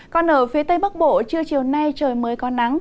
còn ở phía tây bắc bộ trưa chiều nay trời mới có nắng